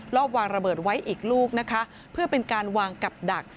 อบวางระเบิดไว้อีกลูกนะคะเพื่อเป็นการวางกับดัก